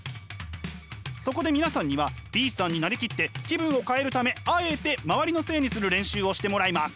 そこで皆さんにはＢさんになりきって気分を変えるためあえて周りのせいにする練習をしてもらいます。